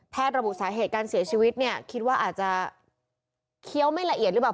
ระบุสาเหตุการเสียชีวิตเนี่ยคิดว่าอาจจะเคี้ยวไม่ละเอียดหรือเปล่า